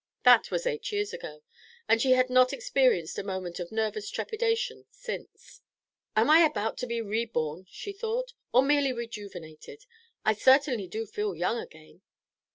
That was eight years ago, and she had not experienced a moment of nervous trepidation since. "Am I about to be re born?" she thought. "Or merely rejuvenated? I certainly do feel young again."